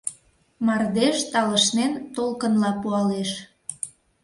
Мардеж, талышнен, толкынла пуалеш.